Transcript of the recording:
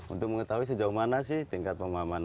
untuk mengetahui sejauh mana sih tingkat pemahaman